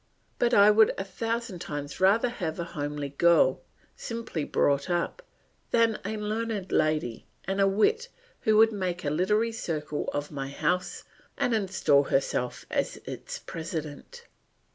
But I would a thousand times rather have a homely girl, simply brought up, than a learned lady and a wit who would make a literary circle of my house and install herself as its president.